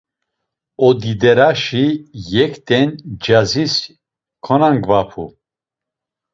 Odideraşi yekten cazis konamgvapu.